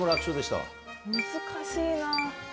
難しいな。